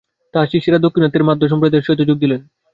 তাঁহার শিষ্যেরা দাক্ষিণাত্যের মাধ্ব-সম্প্রদায়ের সহিত যোগ দিলেন।